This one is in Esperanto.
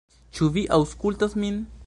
Ĉu vi aŭskultas min?